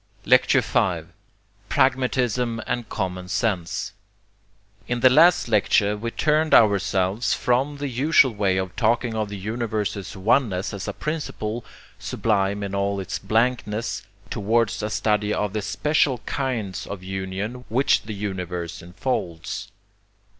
Lecture V Pragmatism and Common Sense In the last lecture we turned ourselves from the usual way of talking of the universe's oneness as a principle, sublime in all its blankness, towards a study of the special kinds of union which the universe enfolds.